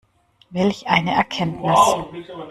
Welch eine Erkenntnis!